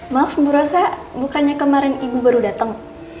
maaf bu rosa bukannya kemarin ibu baru dateng